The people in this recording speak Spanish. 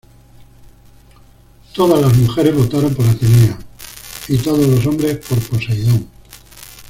Todas las mujeres votaron por Atenea y todos los hombres por Poseidón.